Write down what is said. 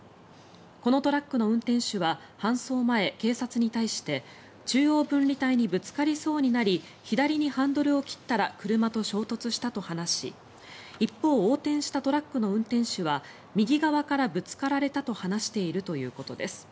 このトラックの運転手は搬送前、警察に対して中央分離帯にぶつかりそうになり左にハンドルを切ったら車と衝突したと話し一方、横転したトラックの運転手は右側からぶつかられたと話しているということです。